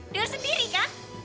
dengar sendiri kan